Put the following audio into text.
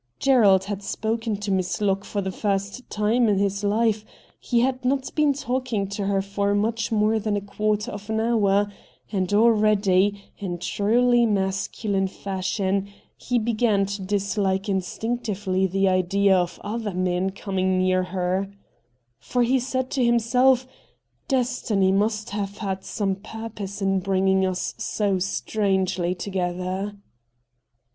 Gerald had spoken to Miss Locke for the first time in his life ; he had not been talking to her for much more than a quarter of an hour, and already, in truly masculine fashion, he began to dislike instinctively the idea of other men coming THE CULTURE COLLEGE 95 near her. For he said to himself, ' Destiny must have had some purpose in bringing us so strangely together.'